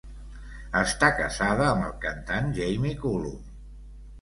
Està casada amb el cantant Jamie Cullum.